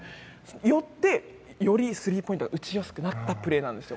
よって、よりスリーポイントが打ちやすくなったプレーです。